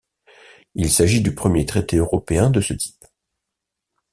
Il s'agit du premier traité européen de ce type.